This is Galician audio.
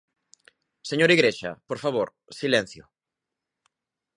Señor Igrexa, por favor, silencio.